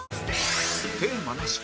テーマなし